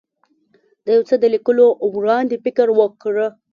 د یو څه د لیکلو وړاندې فکر وکړه.